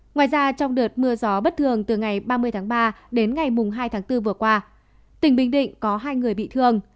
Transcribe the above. ngoài ra trong đợt mưa gió bất thường từ ngày ba mươi tháng ba đến ngày hai tháng bốn vừa qua tỉnh bình định có hai người bị thương